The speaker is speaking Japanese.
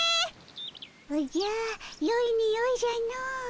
おじゃよいにおいじゃの。